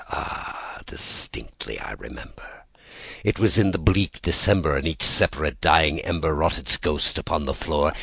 Ah, distinctly I remember it was in the bleak DecemberAnd each separate dying ember wrought its ghost upon the floor.